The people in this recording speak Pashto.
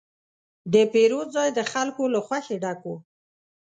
د پیرود ځای د خلکو له خوښې ډک و.